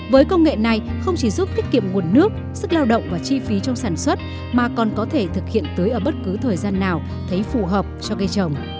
với công nghệ này không chỉ giúp tiết kiệm nguồn nước sức lao động và chi phí trong sản xuất mà còn có thể thực hiện tưới ở bất cứ thời gian nào thấy phù hợp cho cây trồng